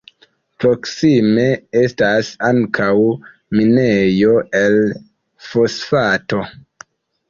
Proksime estas ankaŭ minejo el fosfato.